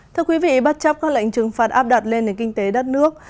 thưa quý vị bất chấp các lệnh trừng phạt áp đặt lên nền kinh tế đất nước